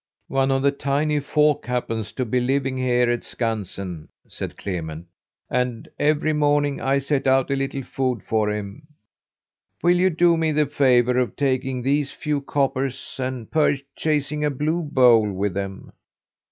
"One of the tiny folk happens to be living here at Skansen," said Clement, "and every morning I set out a little food for him. Will you do me the favour of taking these few coppers and purchasing a blue bowl with them?